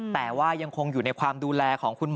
แต่ว่ายังคงอยู่ในความดูแลของคุณหมอ